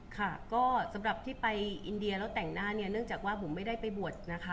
ค่ะก็สำหรับที่ไปอินเดียแล้วแต่งหน้าเนี่ยเนื่องจากว่าผมไม่ได้ไปบวชนะคะ